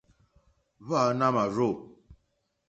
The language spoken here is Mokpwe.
Hwáǃánáá màrzô.